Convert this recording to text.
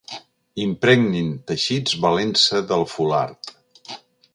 Impregnin teixits valent-se del fulard.